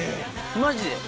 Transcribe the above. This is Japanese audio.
マジで！